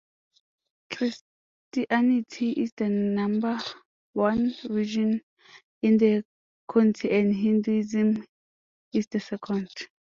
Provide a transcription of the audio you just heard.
Christianity is the number one religion in the county and Hinduism is the second.